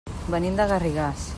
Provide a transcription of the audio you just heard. Venim de Garrigàs.